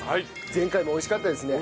前回も美味しかったですね。